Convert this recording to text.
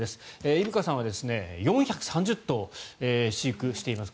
伊深さんは４３０頭飼育しています。